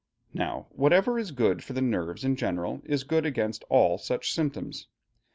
Now, whatever is good for the nerves in general is good against all such symptoms.